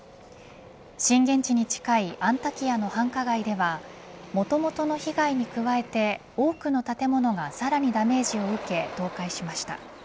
震源地に近いアンタキヤの繁華街ではもともとの被害に加えて多くの建物がさらにダメージを受け倒壊しました。